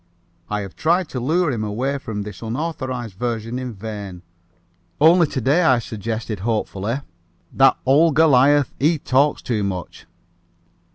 I have tried to lure him away from this unauthorized version in vain. Only to day I suggested hopefully "That ole Goliath he talks too much."